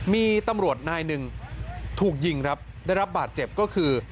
มีตำรวจนายหนึ่งถูกยิงครับได้รับบาดเจ็บก็คือ